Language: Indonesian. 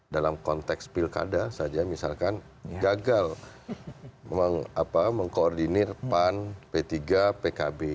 dalam konteks pilkada saja misalkan gagal mengkoordinir pan p tiga pkb